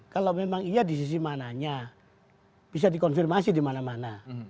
kalau memang iya di sisi mananya bisa dikonfirmasi di mana mana